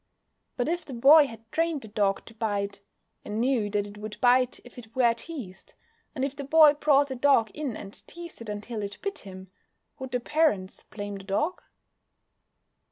But if the boy had trained the dog to bite, and knew that it would bite if it were teased, and if the boy brought the dog in and teased it until it bit him, would the parents blame the dog?